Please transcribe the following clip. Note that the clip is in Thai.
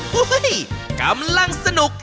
เฮ้ยกำลังสนุก